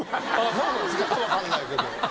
何でか分かんないけど。